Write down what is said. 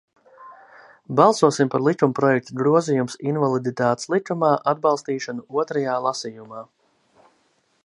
"Balsosim par likumprojekta "Grozījums Invaliditātes likumā" atbalstīšanu otrajā lasījumā!"